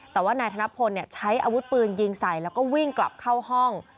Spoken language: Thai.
แต่ว่านายธนพลใช้อาวุธปืนยิงใส่แล้วก็วิ่งกลับเข้าห้อง